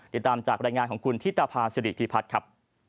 ติดตามจากรายงานของคุณธิตภาษิริพิพัฒน์ครับ